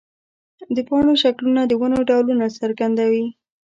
د پاڼو شکلونه د ونو ډولونه څرګندوي.